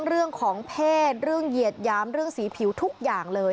เรื่องเหยียดย้ำเรื่องสีผิวทุกอย่างเลย